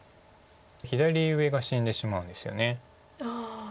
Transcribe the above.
左上が死んでしまうんですよね。